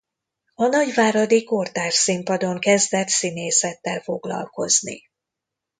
A nagyváradi Kortárs Színpad-on kezdett színészettel foglalkozni.